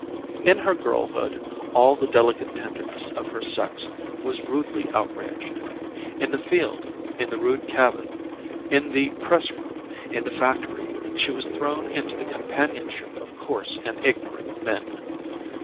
In her girlhood all the delicate tenderness of her sex was rudely outraged. In the field, in the rude cabin, in the press room, in the factory, she was thrown into the companionship of coarse and ignorant men.